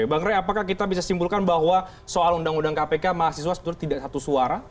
bang rey apakah kita bisa simpulkan bahwa soal undang undang kpk mahasiswa sebenarnya tidak satu suara